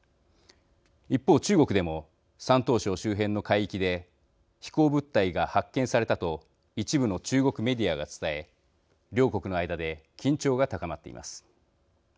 一方、中国でも山東省周辺の海域で飛行物体が発見されたと一部の中国メディアが伝え両国の間で緊張が高まっています。